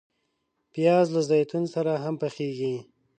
پیاز له زیتونو سره هم پخیږي